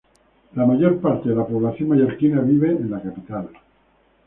La mayor parte de la población mallorquina vive en la capital.